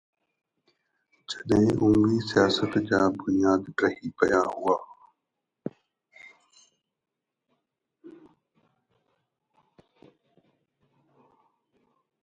جڏهن اموي سياست جا بنياد ڊهي پيا هئا